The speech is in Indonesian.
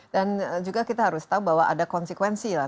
dan juga kita harus tahu bahwa ada konsekuensi lah